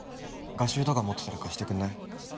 画集とか持ってたら貸してくんない？